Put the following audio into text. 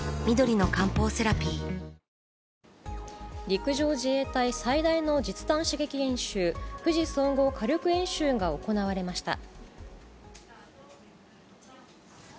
陸上自衛隊最大の実弾射撃演習、富士総合火力演習が行われました。